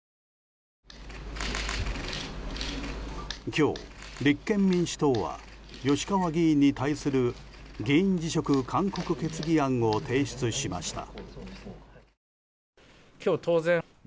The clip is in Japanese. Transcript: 今日、立憲民主党は吉川議員に対する議員辞職勧告決議案を提出しました。